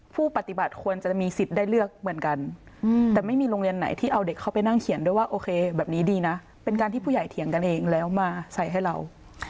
ผู้ปฏิบัติควรจะมีสิทธิ์ได้เลือกเหมือนกันแต่ไม่มีโรงเรียนไหนที่เอาเด็กเข้าไปนั่งเขียนด้วยว่าโอเคแบบนี้ดีนะเป็นการที่ผู้ใหญ่เถียงกันเองแล้วมาใส่ให้เรา